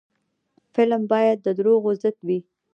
فلم باید د دروغو ضد وي